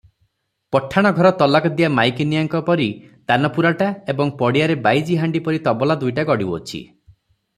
ପଠାଣ ଘର ତଲାକଦିଆ ମାଇକିନିଆଙ୍କ ପରି ତାନପୁରାଟା ଏବଂ ପଡ଼ିଆରେ ବାଇଜିହାଣ୍ତି ପରି ତବଲା ଦୁଇଟା ଗଡୁଅଛି ।